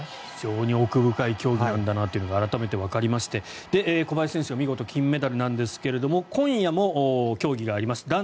非常に奥深い競技なんだなというのが改めてわかりまして小林選手は見事金メダルなんですが今夜も競技があります。